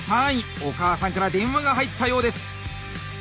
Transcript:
お母さんから電話が入ったようです。